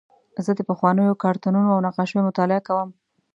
زه د پخوانیو کارتونونو او نقاشیو مطالعه کوم.